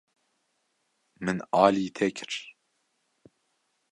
Min alî te kir.